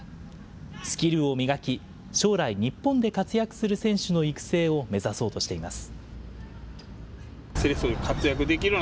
スキルを磨き、将来、日本で活躍する選手の育成を目指そうとしています。